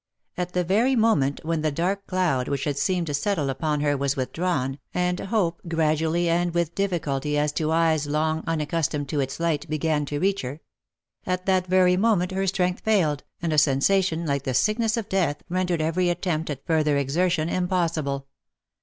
At the very moment when the dark cloud which had seemed to settle upon her was withdrawn, and hope gradually and with difficulty, as to eyes long unaccustomed to its light, began to reach her ; at that very moment her strength failed, and a sensation, like the sickness of death, rendered every attempt at further exertion impossible.